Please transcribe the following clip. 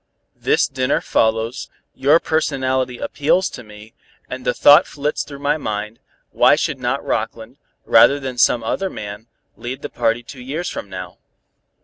This dinner follows, your personality appeals to me, and the thought flits through my mind, why should not Rockland, rather than some other man, lead the party two years from now?